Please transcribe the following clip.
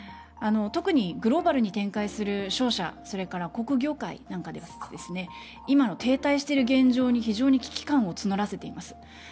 特にグローバルに展開する商社それから航空業界なんかでは今の停滞している現状に非常に危機感を募らせています。